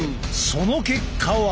その結果は。